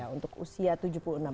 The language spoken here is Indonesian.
untuk usia tujuh puluh enam tahun